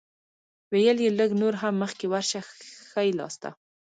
ویل یې لږ نور هم مخکې ورشه ښی لاسته.